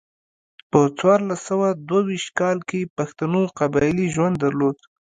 په څوارلس سوه دوه ویشت کال کې پښتنو قبایلي ژوند درلود.